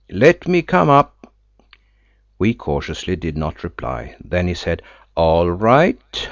Let me come up." We cautiously did not reply. Then he said: "All right.